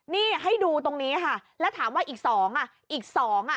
นี่ให้ดูตรงนี้ค่ะแล้วถามว่าอีกสองอ่ะอีกสองอ่ะ